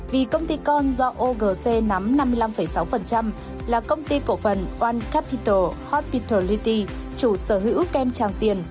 vì công ty con do ogc nắm năm mươi năm sáu là công ty cổ phần one capital hospitality chủ sở hữu kem trang tiền